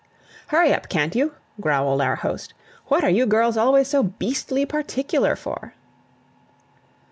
"Hurry up, can't you?" growled our host; "what are you girls always so beastly particular for?"